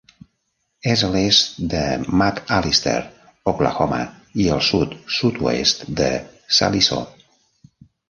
És a l'est de McAlester, Oklahoma, i al sud, sud-oest de Sallisaw.